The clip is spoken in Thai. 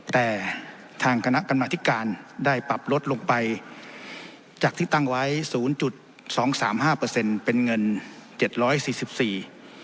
แต่ทางคณะกรรมธิการได้ปรับลดลงไปจากที่ตั้งไว้ศูนย์จุดสองสามห้าเปอร์เซ็นต์เป็นเงินเจ็ดร้อยสี่สิบสี่